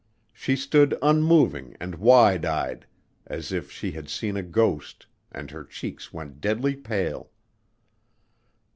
She stood unmoving and wide eyed as if she had seen a ghost and her cheeks went deadly pale.